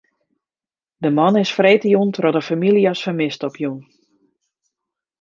De man is freedtejûn troch de famylje as fermist opjûn.